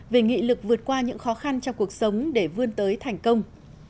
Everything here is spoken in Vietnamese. về nghị lực vượt qua những khó khăn trong cuộc sống để vươn tới thành công